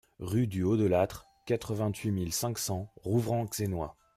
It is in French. Rue du Haut de l'Âtre, quatre-vingt-huit mille cinq cents Rouvres-en-Xaintois